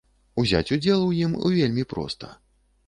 Узяць удзел у ім вельмі проста.